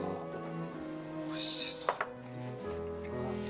おいしそう。